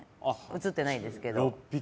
写ってないんですけど。